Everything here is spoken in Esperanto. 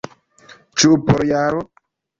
Ĉu por jaro?